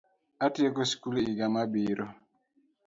Atieko sikul yiga mabiro